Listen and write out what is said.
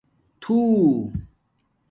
تُھو